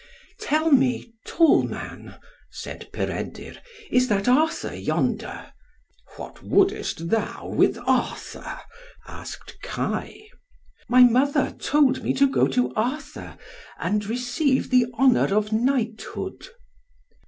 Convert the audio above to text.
"Tell me, tall man," said Peredur, "is that Arthur, yonder?" "What wouldest thou with Arthur?" asked Kai. "My mother told me to go to Arthur, and receive the honour of knighthood."